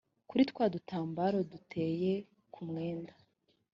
kuri twa dutambaro duteye kumwenda